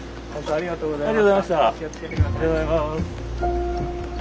ありがとうございます。